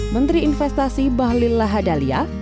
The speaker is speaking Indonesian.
menteri investasi bahlil lahadalia